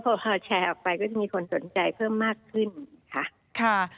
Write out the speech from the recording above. พอแชร์ออกไปก็จะมีคนสนใจเพิ่มมากขึ้นค่ะ